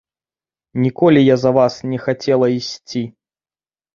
Ніколі я за вас не хацела ісці.